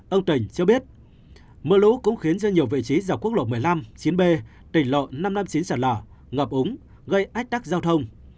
ông tình cho biết mưa lũ cũng khiến cho nhiều vị trí dọc quốc lộ một mươi năm chín b tỉnh lộ năm trăm năm mươi chín sạt lở ngập úng gây ách tắc giao thông